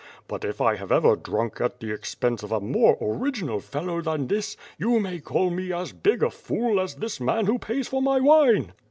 But if I have ever drunk at the expense of a more original fellow than this, you may call me as big a fool as this man who pays for my wine."